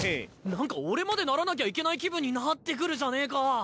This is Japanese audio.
なんか俺までならなきゃいけない気分になってくるじゃねぇか。